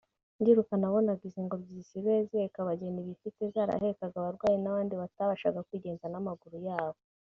Mbyiruka nabonaga izi ngobyi zisigaye ziheka abageni bifite zarahekaga abarwayi n’ abantu batabasha kwigenza n’ amaguru yabo